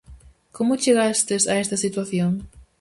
Como chegastes a esta situación?